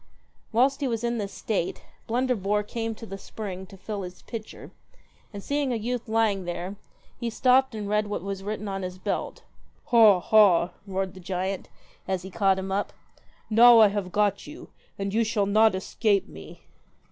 Whilst he was in this state, Blunderbore came to the spring to fill his pitcher, and seeing a youth lying there, he stopped and read what was written on his belt. ' Ha ha !' roared the giant, as he caught him up. 'Now I have got you, and you shall not escape me.'